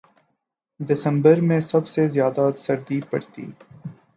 دسمبر میں سب سے زیادہ سردی پڑتی